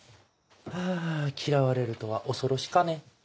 ハァ嫌われるとは恐ろしかね。